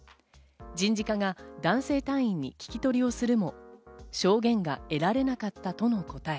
人事課が男性隊員に聞き取りをするも証言が得られなかったとの答え。